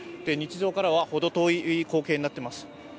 日常からは、ほど遠い光景になっています。